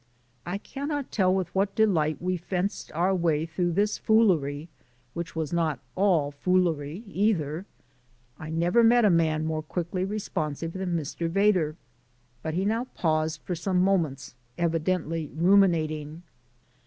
I cannot tell with what delight we fenced our way through this foolery (which was not all foolery, either). I never met a man more quickly responsive than Mr. Vedder. But he now paused for some moments, evidently ruminating.